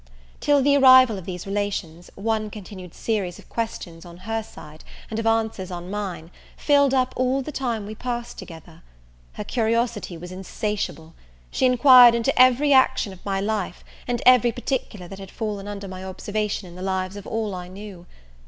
Till the arrival of these relations, one continued series of questions on her side, and of answers on mine, filled up all the time we passed together. Her curiosity was insatiable; she inquired into every action of my life, and every particular that had fallen under my observation in the lives of all I knew.